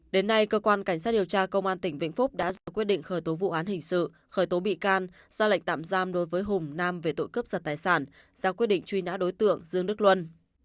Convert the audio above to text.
đến nay cơ quan cảnh sát điều tra công an tỉnh vĩnh phúc đã ra quyết định khởi tố vụ án hình sự khởi tố bị can ra lệnh tạm giam đối với hùng nam về tội cướp giật tài sản ra quyết định truy nã đối tượng dương đức luân